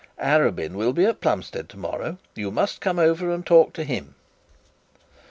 Arabin will be at Plumstead to morrow; you must come over and talk to him.'